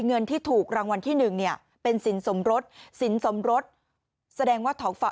เงินที่ถูกรางวัลที่หนึ่งเนี่ยเป็นสินสมรสสินสมรสแสดงว่าท้องฟ้า